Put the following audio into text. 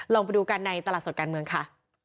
ลองไปดูกันในตลาดสดการเมืองค่ะ